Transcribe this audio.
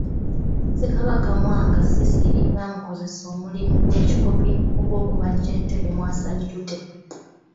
Ssekabaka Mwanga Ssisiri baamukozesa omulimu gy’ekikopi gw'okubajja ntebe mwasajjute.